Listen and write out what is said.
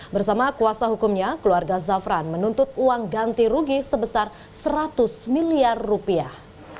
bersama kuasa hukumnya keluarga zafran menuntut uang ganti rugi sebesar seratus miliar rupiah